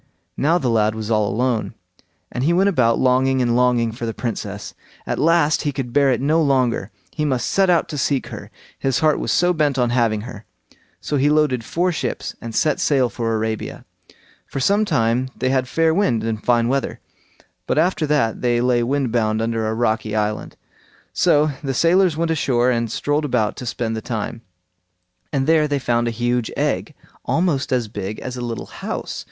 Now the lad was all alone, and he went about longing and longing for the Princess; at last he could bear it no longer; he must set out to seek her, his heart was so bent on having her. So he loaded four ships and set sail for Arabia. For some time they had fair wind and fine weather, but after that they lay wind bound under a rocky island. So the sailors went ashore and strolled about to spend the time, and there they found a huge egg, almost as big as a little house.